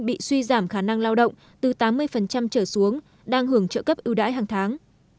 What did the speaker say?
bị suy giảm khả năng lao động từ tám mươi trở xuống đang hưởng trợ cấp ưu đãi hàng tháng